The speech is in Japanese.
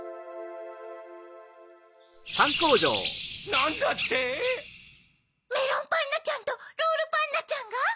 ・なんだって⁉・メロンパンナちゃんとロールパンナちゃんが？